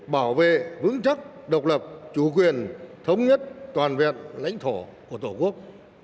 bảo vệ vững chắc độc lập chủ quyền thống nhất toàn vẹn lãnh thổ của tổ quốc